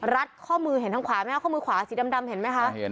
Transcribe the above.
รัดข้อมือเห็นทางขวาไหมคะข้อมือขวาสีดำเห็นไหมคะ